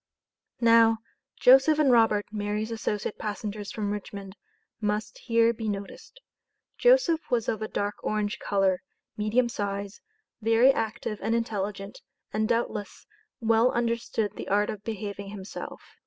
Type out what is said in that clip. Now, Joseph and Robert (Mary's associate passengers from Richmond) must here be noticed. Joseph was of a dark orange color, medium size, very active and intelligent, and doubtless, well understood the art of behaving himself.